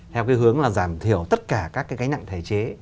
theo cái hướng là giảm thiểu tất cả các cái gánh nặng thể chế